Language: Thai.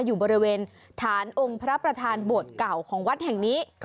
อยู่บริเวณฐานองค์พระประธานบวชเก่าของวัดแห่งนี้